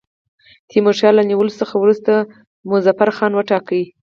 تیمورشاه له نیولو څخه وروسته مظفرخان وټاکی.